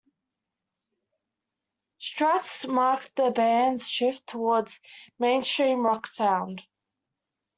"Strast" marked the band's shift towards mainstream rock sound.